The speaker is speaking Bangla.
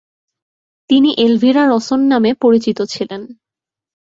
তিনি এলভিরা রসন নামে পরিচিত ছিলেন।